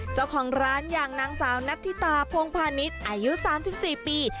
เจ้าของร้านอย่างนางสาวนัทธิตาพงพาณิชย์อายุ๓๔ปี